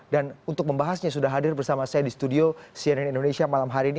dan untuk membahasnya sudah hadir bersama saya di studio cnn indonesia malam hari ini